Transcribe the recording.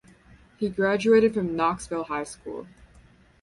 He graduated from Knoxville High School.